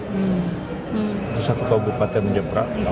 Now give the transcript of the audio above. itu satu kabupaten jembrak